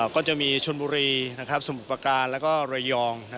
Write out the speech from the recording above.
ก็จะมีชนบุรีสมบุปการณ์และเรยอง